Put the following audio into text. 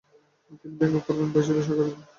তিনি ভেঙ্গে পড়বেন ভয় ছিল সহকারীদের।